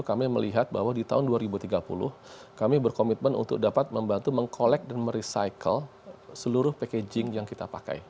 kami melihat bahwa di tahun dua ribu tiga puluh kami berkomitmen untuk dapat membantu mengkolek dan merecycle seluruh packaging yang kita pakai